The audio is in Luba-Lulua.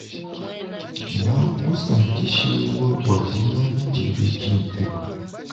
Na kusankishibwa bwa dinanga diebe dimpe.